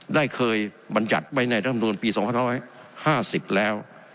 ได้เคยบรรจัดไว้ในรัฐธรรมนุนปี๒๐๕๐แล้ว